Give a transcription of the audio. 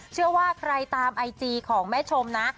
เชื่อว่าใครตามไอจีของแม่ชมนะ